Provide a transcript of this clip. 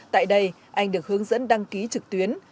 tại đây anh được hướng dẫn đăng ký trực tuyến